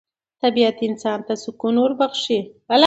طبیعت انسان ته سکون وربخښي